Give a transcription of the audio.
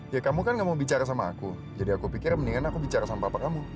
ya kamu kan gak mau bicara sama aku jadi aku pikir mendingan aku bicara sampah apa kamu